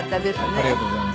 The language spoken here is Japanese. ありがとうございます。